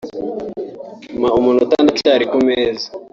“mpa umunota ndacyari ku meza”